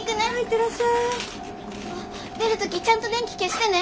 あ出る時ちゃんと電気消してね。